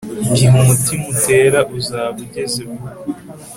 Igihe umutima utera uzaba ugeze vuba